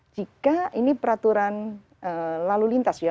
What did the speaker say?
jika ini peraturan lalu lintas ya